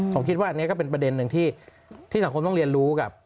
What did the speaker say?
ผมคิดว่าอันนี้ก็เป็นประเด็นหนึ่งที่สังคมต้องเรียนรู้กับ